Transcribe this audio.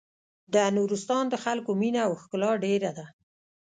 د نورستان د خلکو مينه او ښکلا ډېره ده.